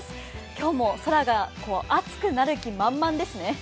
今日も空が暑くなる気満々ですね。